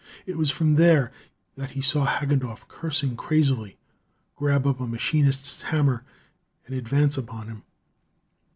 It was from there that he saw Hagendorff, cursing crazily, grab up a machinist's hammer and advance upon him.